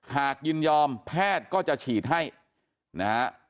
ยินยอมแพทย์ก็จะฉีดให้นะฮะ